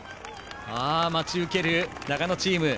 待ち受ける長野チーム。